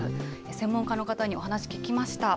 専門家の方にお話聞きました。